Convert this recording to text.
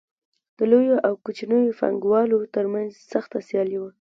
د لویو او کوچنیو پانګوالو ترمنځ سخته سیالي وه